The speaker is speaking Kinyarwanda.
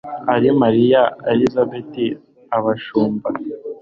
ari mariya, elizabeti, abashumba